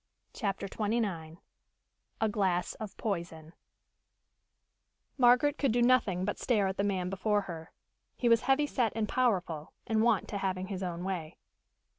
CHAPTER XXIX A GLASS OF POISON Margaret could do nothing but stare at the man before her. He was heavy set and powerful, and wont to having his own way.